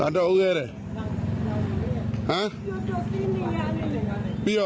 อันด้วยเอาไว้เลย